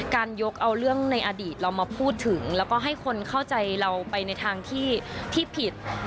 การยกเอาเรื่องในอดีตเรามาพูดถึงแล้วก็ให้คนเข้าใจเราไปในทางที่ผิด